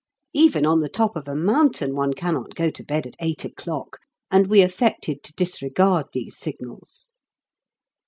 Even on the top of a mountain one cannot go to bed at eight o'clock, and we affected to disregard these signals.